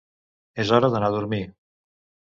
És hora d'anar a dormir.